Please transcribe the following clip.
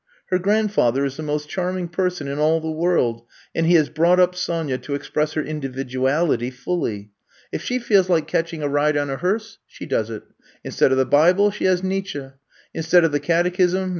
Her grandfather is the most charming person in all the world, and he has brought up Sonya to express her individuality fully. If she feels like catch I'VE COMB TO STAY 33 ing a ride on a hearse, she does it. Instead of the Bible she has had Nietzsche ; instead of the catechism.